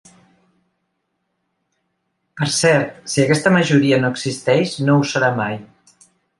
Per cert, si aquesta majoria no existeix, no ho serà mai.